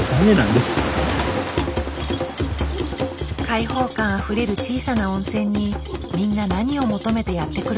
開放感あふれる小さな温泉にみんな何を求めてやって来るのか。